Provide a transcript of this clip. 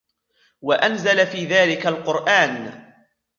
وَأَنْزَلَ فِي ذَلِكَ الْقُرْآنَ